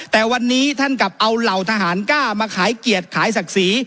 แต่วันนี้ท่านกลับเอาเหล่าทหารกล้ามาขายเกียรติขายศักดิ์ศรี